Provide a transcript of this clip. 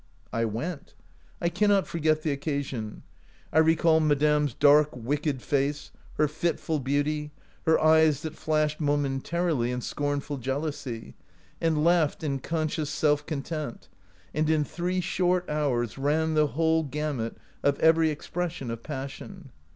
I went. I cannot forget the oc casion. I recall madame's dark, wicked face, her fitful beauty, her eyes that flashed momentarily in scornful jealousy, and laughed in conscious self content, and in three short hours ran the whole gamut of every expression of passion.